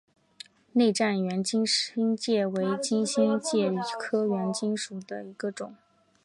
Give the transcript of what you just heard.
内战圆金星介为金星介科圆金星介属下的一个种。